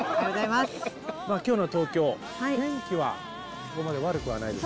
まあ今日の東京天気はそこまで悪くはないです